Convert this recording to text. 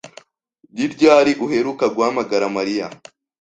Ni ryari uheruka guhamagara Mariya?